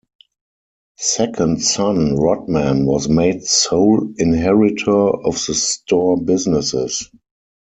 Second son Rodman was made sole inheritor of the store businesses.